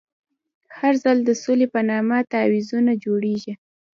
هر ځل د سولې په نامه تعویضونه جوړېږي.